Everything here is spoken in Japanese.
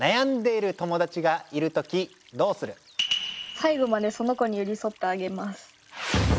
最後までその子に寄り添ってあげます。